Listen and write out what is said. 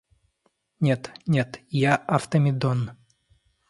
Нет, нет, я Автомедон.